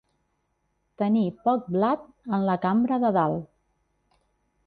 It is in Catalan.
Tenir poc blat en la cambra de dalt.